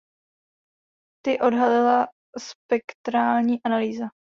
Ty odhalila spektrální analýza.